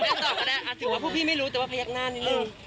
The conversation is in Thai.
จะตอบก็ได้ถือว่าพวกพี่ไม่รู้แต่ว่าพยักหน้านิดนึง